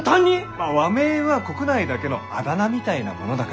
まあ和名は国内だけのあだ名みたいなものだからね。